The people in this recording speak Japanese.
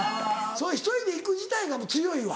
それ１人で行く自体がもう強いわ。